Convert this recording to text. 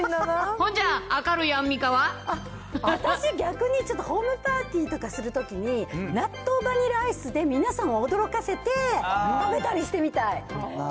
ほんじゃ、私、逆にちょっとホームパーティーとかするときに、納豆バニラアイスで皆さんを驚かせて、食べたりしてみたい。